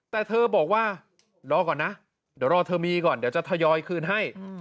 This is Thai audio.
แต่เธอบอกว่ารอก่อนนะเดี๋ยวรอเธอมีก่อนเดี๋ยวจะทยอยคืนให้